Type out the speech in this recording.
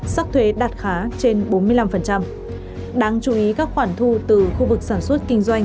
sắc thuế đạt khá trên bốn mươi năm đáng chú ý các khoản thu từ khu vực sản xuất kinh doanh